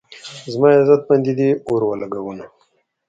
زما عزت باندې دې اور ولږاونه